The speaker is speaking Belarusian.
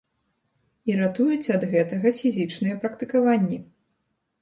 І ратуюць ад гэтага фізічныя практыкаванні.